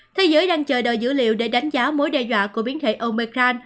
thế giới đang chờ đợi dữ liệu để đánh giá mối đe dọa của biến thể omecan